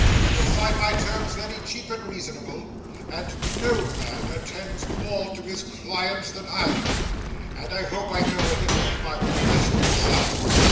You'll find my terms very cheap and reasonable, and no man attends more to his clients than I do, and I hope I know a little of my profession besides.